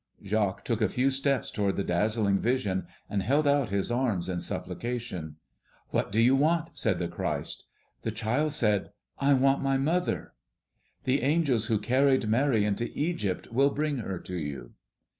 Jacques took a few steps toward the dazzling vision and held out his arms in supplication. "What do you want?" said the Christ. The child said, "I want my mother." "The angels who carried Mary into Egypt will bring her to you."